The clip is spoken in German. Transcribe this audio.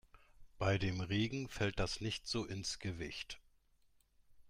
Bei dem Regen fällt das nicht so ins Gewicht.